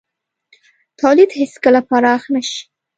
تولید هېڅکله پراخ نه شي.